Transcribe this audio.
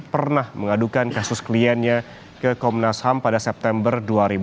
pernah mengadukan kasus kliennya ke komnas ham pada september dua ribu enam belas